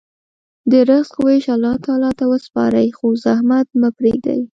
د رزق ویش الله تعالی ته وسپارئ، خو زحمت مه پرېږدئ.